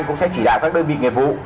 cũng sẽ chỉ đạo các đơn vị nghệ vụ